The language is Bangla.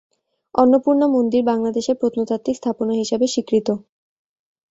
অন্নপূর্ণা মন্দির বাংলাদেশের প্রত্নতাত্ত্বিক স্থাপনা হিসেবে স্বীকৃত।